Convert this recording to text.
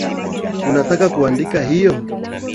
Unataka kuandika hiyo?